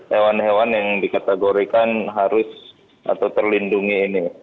hewan hewan yang dikategorikan harus atau terlindungi ini